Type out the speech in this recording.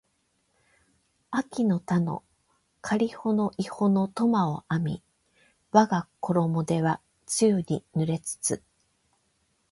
秋（あき）の田のかりほの庵（いほ）の苫（とま）を荒みわがころも手は露に濡れつつ